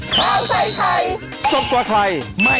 โปรดติดตามตอนต่อไป